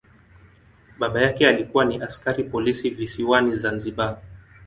Baba yake alikuwa ni askari polisi visiwani Zanzibar.